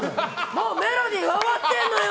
もうメロディーは終わってるのよ。